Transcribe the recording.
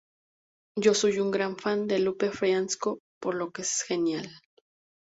Yo soy un gran fan de Lupe Fiasco, por lo que es genial".